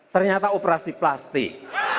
ternyata operasi plastik